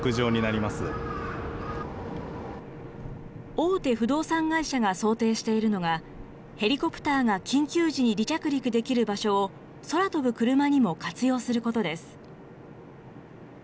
大手不動産会社が想定しているのが、ヘリコプターが緊急時に離着陸できる場所を、空飛ぶクルマにも活用することです。